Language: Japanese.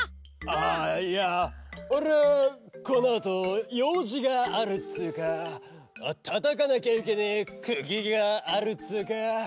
・ああいやおれはこのあとようじがあるっつうかたたかなきゃいけねえくぎがあるっつうか。